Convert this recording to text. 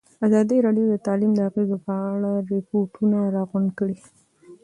ازادي راډیو د تعلیم د اغېزو په اړه ریپوټونه راغونډ کړي.